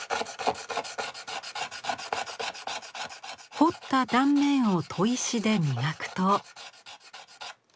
彫った断面を砥石で磨くと。